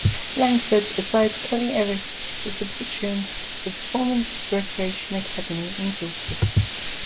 Langford, alongside Kerry Ellis, is the patron for Performance Preparation Academy in Guildford.